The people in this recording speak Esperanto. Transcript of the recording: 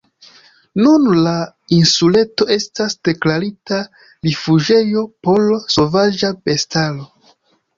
Nun la insuleto estas deklarita rifuĝejo por sovaĝa bestaro.